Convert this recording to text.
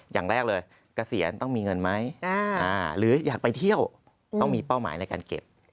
อย่างแรกเลยเกษียณต้องมีเงินไหมหรืออยากไปเที่ยวต้องมีเป้าหมายในการเก็บ